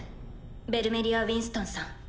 ベルメリア・ウィンストンさん。